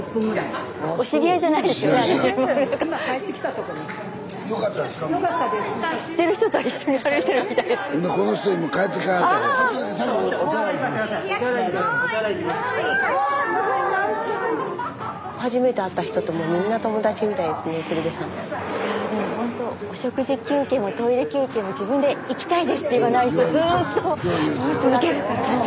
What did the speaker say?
スタジオいやでもほんとお食事休憩もトイレ休憩も自分で「行きたいです」って言わないとずっと続けるから。